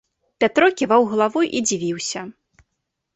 Пятро ківаў галавой і дзівіўся.